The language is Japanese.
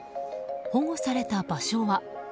保護された場所は。